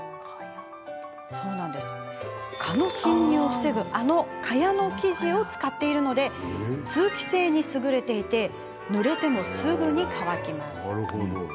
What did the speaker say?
蚊の侵入を防ぐあの蚊帳の生地を使っているので通気性に優れていてぬれてもすぐに乾きます。